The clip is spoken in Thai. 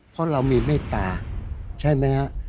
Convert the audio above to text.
เพราะเรามีเมตตาใช่ไหมฮะ